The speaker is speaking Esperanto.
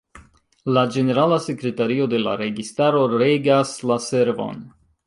La ĝenerala sekretario de la registaro regas la servon.